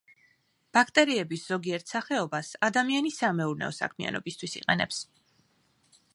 ბაქტერიების ზოგიერთ სახეობას ადამიანი სამეურნეო საქმიანობისთვის იყენებს.